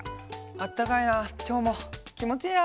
あったかいなきょうもきもちいいな。